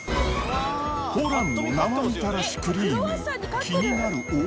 ホランの生みたらしクリーム。